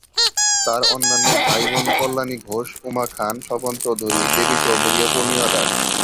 তার অন্যান্য ভাই বোন কল্যাণী ঘোষ, উমা খান, স্বপন চৌধুরী, দেবী চৌধুরী ও পূর্ণিমা দাশ।